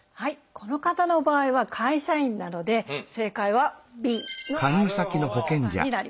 この方の場合は会社員なので正解はＢの大和田さんになります。